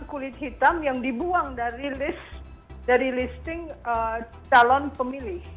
dan kulit hitam yang dibuang dari listing calon pemilih